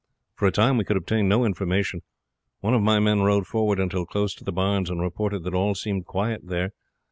"For a time we could obtain no information. One of my men rode forward until close to the Barns, and reported that all seemed quiet there.